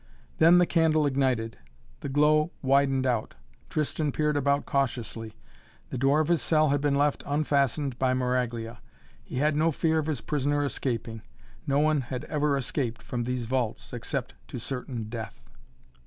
Then the candle ignited. The glow widened out. Tristan peered about cautiously. The door of his cell had been left unfastened by Maraglia. He had no fear of his prisoner escaping. No one had ever escaped from these vaults, except to certain death.